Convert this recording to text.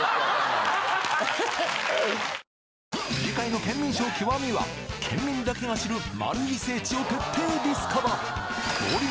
次回の『ケンミンＳＨＯＷ極』はケンミンだけが知る聖地を徹底ディスカバ！